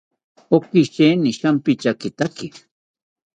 Oki sheeni shampityakitaki